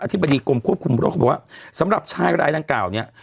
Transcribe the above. อธิบดีกรมควบคุมโรคครับผมว่าสำหรับชายรายดังเก่า